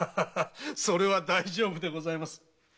それは大丈夫でございます。